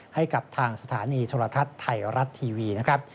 ให้กับทางสถานีโทรทัศน์ไทยรัฐทีวีนะครับ